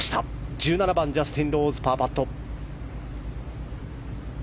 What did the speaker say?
１７番、ジャスティン・ローズパーパット。